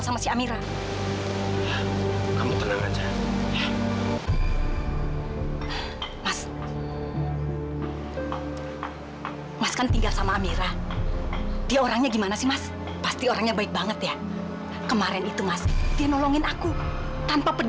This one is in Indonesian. sampai jumpa di video selanjutnya